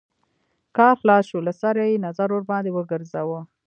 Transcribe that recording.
کار خلاص شو له سره يې نظر ورباندې وګرځوه.